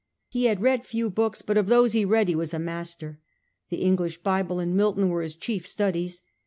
He had read few books, but of those he read he was a master. The English Bible and Milton were his chief studies.